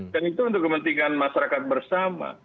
dan itu untuk kepentingan masyarakat bersama